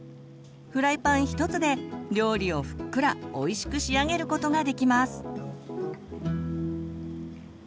フライパン１つで料理をふっくらおいしく仕上げることができます。